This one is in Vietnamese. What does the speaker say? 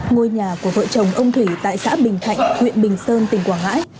ngôi nhà của vợ chồng ông thủy tại xã bình thạnh huyện bình sơn tỉnh quảng ngãi